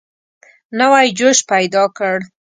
نوی جوش پیدا کړ.